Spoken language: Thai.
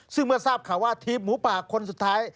ซึ่งเมื่อทราบข่าวว่าทีมหมูป่าคนสุดท้าย